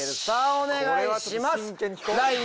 お願いします。